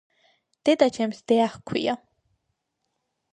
დედაჩემს დეა ჰქვია.